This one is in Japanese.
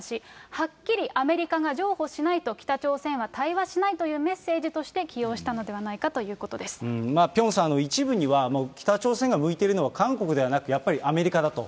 はっきりアメリカが譲歩しないと、北朝鮮は対話しないというメッセージとして起用したのではないかピョンさん、一部には北朝鮮が向いてるのは韓国ではなく、やっぱりアメリカだと。